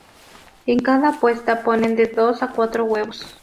En cada puesta ponen de dos a cuatro huevos.